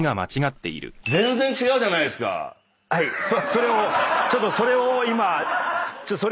それをちょっとそれを今。